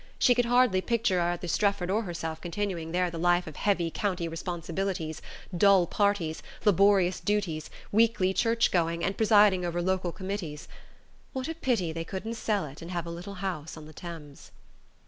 she could hardly picture either Strefford or herself continuing there the life of heavy county responsibilities, dull parties, laborious duties, weekly church going, and presiding over local committees.... What a pity they couldn't sell it and have a little house on the Thames!